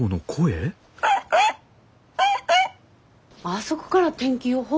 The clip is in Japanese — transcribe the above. あそこから天気予報